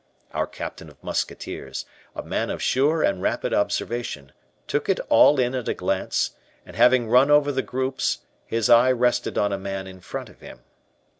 Our captain of musketeers, a man of sure and rapid observation, took it all in at a glance; and having run over the groups, his eye rested on a man in front of him.